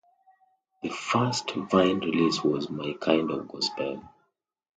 The first Vine release was "My Kind of Gospel".